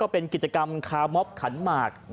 เป็นกิจกรรมคาร์มอบขันหมาก